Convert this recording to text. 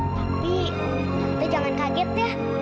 tapi jangan kaget ya